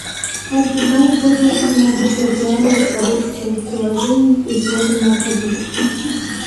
Также сами пользователи могут приостанавливать работу своих приложений, если это необходимо